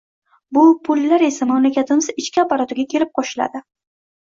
Bu pullar esa mamlakatimiz ichki oborotiga kelib qoʻshiladi.